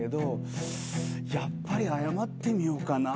やっぱり謝ってみようかな。